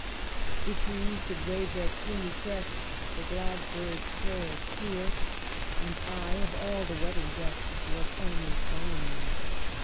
" The trees did wave their plumy crests, The glad birds carolled clear ; 1 78 EMILY BRONTE. And I, of all the wedding guests, Was only sullen there.